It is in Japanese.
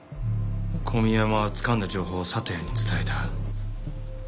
小宮山はつかんだ情報を里谷に伝えた。